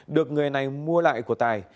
được người này mua lại của tài